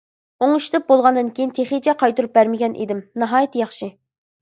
ئوڭشىتىپ بولغاندىن كېيىن تېخىچە قايتۇرۇپ بەرمىگەن ئىدىم» «ناھايىتى ياخشى.